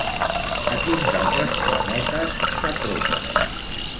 A quins altres planetes s'apropa?